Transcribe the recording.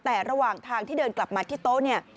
แต่ระหว่างทางที่เดินกลับมาที่โต๊ะเนี่ย